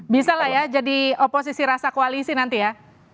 bisa lah ya jadi oposisi rasa koalisi nanti ya